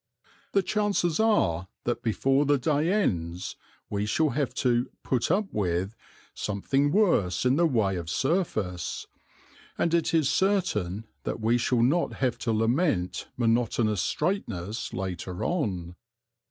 The chances are that before the day ends we shall have to "put up with" something worse in the way of surface, and it is certain that we shall not have to lament monotonous straightness later on.